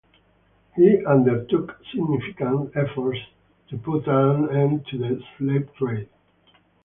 He undertook significant efforts to put an end to the slave trade.